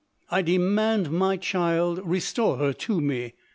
M I demand my child — restore her to me.